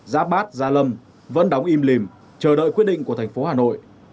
giáp bát gia lâm vẫn đóng im lìm chờ đợi quyết định của thành phố hà nội